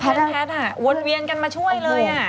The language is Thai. เพื่อนแพทย์อวดเวียนกันมาช่วยเลย